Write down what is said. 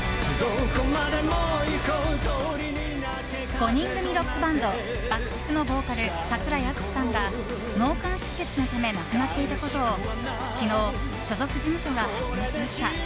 ５人組ロックバンドＢＵＣＫ‐ＴＩＣＫのボーカル櫻井敦司さんが脳幹出血のため亡くなっていたことを昨日、所属事務所が発表しました。